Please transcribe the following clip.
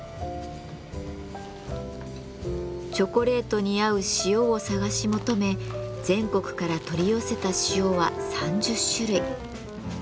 チョコレートに合う塩を探し求め全国から取り寄せた塩は３０種類。